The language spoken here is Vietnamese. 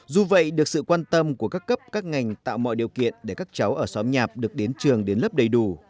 dù vậy được sự quan tâm của các cấp các ngành tạo mọi điều kiện để các cháu ở xóm nhạp được đến trường đến lớp đầy đủ